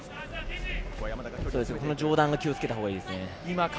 上段は気を付けたほうがいいですね。